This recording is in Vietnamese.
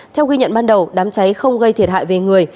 theo ghi nhận ban đầu đám cháy không gây thiệt hại về người